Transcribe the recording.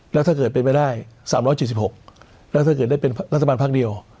แล้วถ้าเกิดเป็นไปได้๓๗๖แล้วถ้าเกิดได้เป็นรัฐบาลพักเดียว